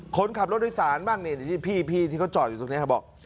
คนขับรถด้วยศาลบ้างพี่ที่เขาจอดอยู่ตรงนี้บอก